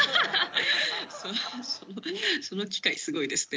はははその機会すごいですね。